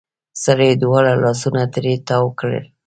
سړې دواړه لاسونه ترې تاو کړل.